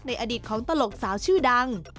อดีตของตลกสาวชื่อดัง